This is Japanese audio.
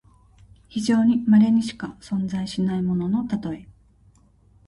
非常にまれにしか存在しないもののたとえ。